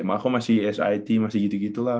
aku masih sit masih gitu gitulah